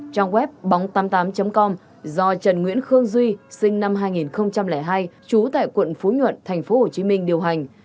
trang web bóng tám mươi tám com do trần nguyễn khương duy sinh năm hai nghìn hai trú tại quận phú nhuận tp hcm điều hành